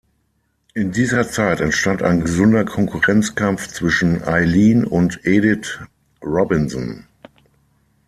In dieser Zeit entstand ein gesunder Konkurrenzkampf zwischen Eileen und Edith Robinson.